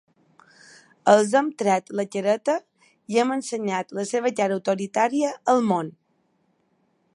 Els hem tret la careta i hem ensenyat la seva cara autoritària al món.